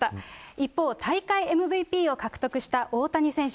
一方、大会ＭＶＰを獲得した大谷選手。